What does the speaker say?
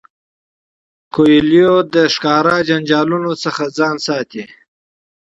کویلیو له ظاهري جنجالونو ځان ساتي.